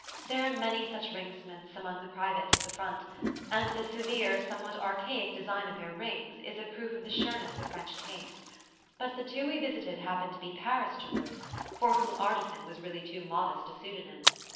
There are many such ringsmiths among the privates at the front, and the severe, somewhat archaic design of their rings is a proof of the sureness of French taste; but the two we visited happened to be Paris jewellers, for whom "artisan" was really too modest a pseudonym.